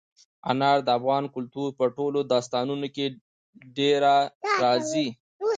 انار د افغان کلتور په ټولو داستانونو کې ډېره راځي.